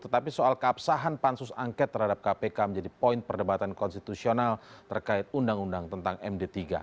tetapi soal keabsahan pansus angket terhadap kpk menjadi poin perdebatan konstitusional terkait undang undang tentang md tiga